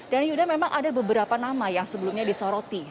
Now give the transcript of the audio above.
dan yuda memang ada beberapa nama yang sebelumnya disoroti